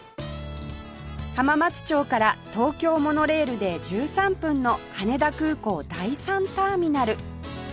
浜松町から東京モノレールで１３分の羽田空港第３ターミナル